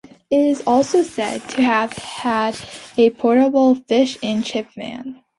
It is also said to have had a portable Fish and Chip van.